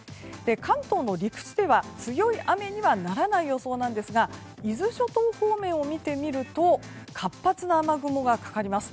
関東の陸地では、強い雨にはならないよそうなんですが伊豆諸島方面を見てみると活発な雨雲がかかります。